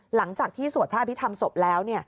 หลังจากที่สวดพระอภิธรรมสบแล้ว